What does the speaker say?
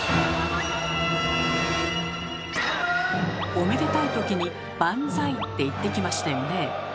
⁉おめでたいときに「バンザイ」って言ってきましたよね。